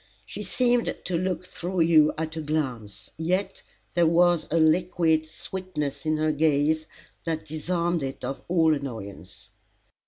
She seemed to look through you at a glance, yet there was a liquid sweetness in her gaze, that disarmed it of all annoyance.